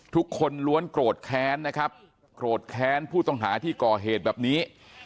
ทุกคนล้วนโกรธแค้นนะครับโกรธแค้นผู้ต้องหาที่ก่อเหตุแบบนี้